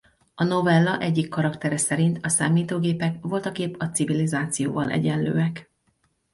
A novella egyik karaktere szerint a számítógépek voltaképp a civilizációval egyenlőek.